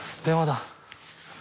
電話だ。